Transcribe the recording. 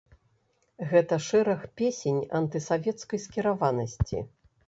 Гэта шэраг песень антысавецкай скіраванасці.